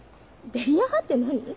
伝弥派って何？